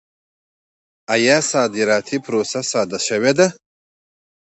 آیا صادراتي پروسه ساده شوې؟